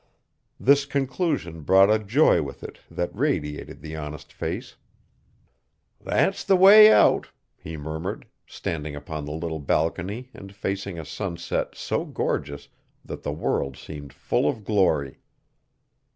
This conclusion brought a joy with it that radiated the honest face. "That's the way out!" he murmured, standing upon the little balcony and facing a sunset so gorgeous that the world seemed full of glory.